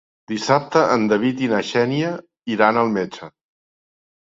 Dissabte en David i na Xènia iran al metge.